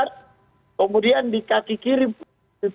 kemudian di pergelangan kiri ke bawah